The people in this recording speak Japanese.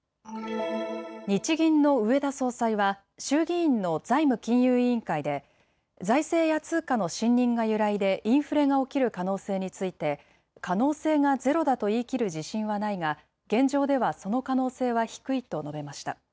日銀の植田総裁は衆議院の財務金融委員会で財政や通貨の信認が揺らいでインフレが起きる可能性について可能性がゼロだと言い切る自信はないが現状ではその可能性は低いと述べました。